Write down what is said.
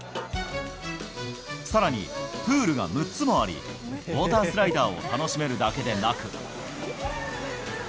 さらに、プールが６つもあり、ウォータースライダーを楽しめるだけでなく。